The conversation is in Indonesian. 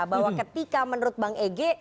bahwa ketika menurut bank eg